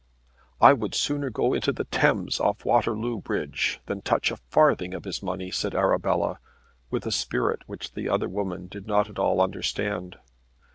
"I would sooner go into the Thames off Waterloo Bridge than touch a farthing of his money," said Arabella with a spirit which the other woman did not at all understand.